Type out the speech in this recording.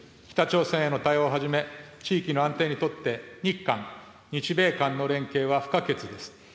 北朝鮮への対応をはじめ、地域の安定にとって、日韓、日米韓の連携は不可欠です。